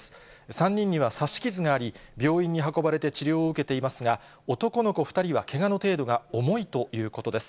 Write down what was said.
３人には刺し傷があり、病院に運ばれて治療を受けていますが、男の子２人はけがの程度が重いということです。